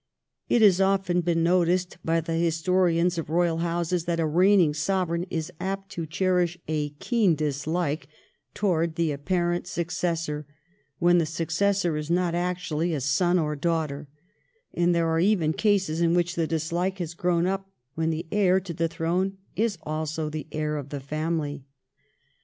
It has often been noticed by the historians of royal houses, that a reigning Sovereign is apt to cherish a keen dislike towards the apparent successor, when the successor is not actually a son or daughter, and there are even cases in which the dislike has grown up when the heir to the throne is also the heir of the family.